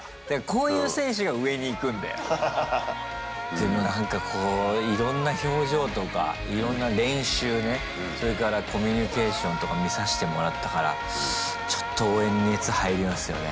でもなんかこういろんな表情とかいろんな練習ねそれからコミュニケーションとか見さしてもらったからちょっと応援に熱入りますよね。